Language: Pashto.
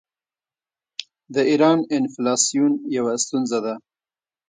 د ایران انفلاسیون یوه ستونزه ده.